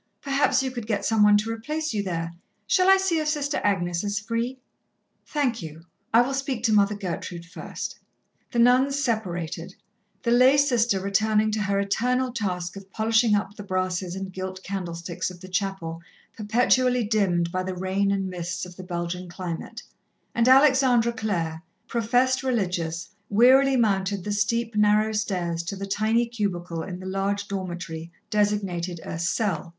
Perhaps you could get some one to replace you there. Shall I see if Sister Agnes is free?" "Thank you, I will speak to Mother Gertrude first." The nuns separated, the lay sister returning to her eternal task of polishing up the brasses and gilt candlesticks of the chapel perpetually dimmed by the rain and mists of the Belgian climate, and Alexandra Clare, professed religious, wearily mounted the steep, narrow stairs to the tiny cubicle in the large dormitory, designated a "cell."